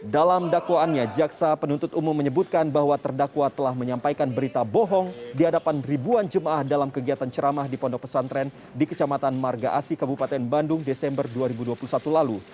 dalam dakwaannya jaksa penuntut umum menyebutkan bahwa terdakwa telah menyampaikan berita bohong di hadapan ribuan jemaah dalam kegiatan ceramah di pondok pesantren di kecamatan marga asi kabupaten bandung desember dua ribu dua puluh satu lalu